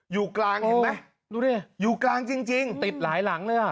อยู่กลางเห็นไหมดูดิอยู่กลางจริงติดหลายหลังเลยอ่ะ